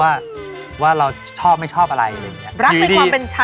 รักกว่าเป็นฉันสิ